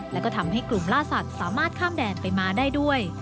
และก็ทำให้กลุ่มล่าสัตว์สามารถข้ามแดนไปมาได้ด้วย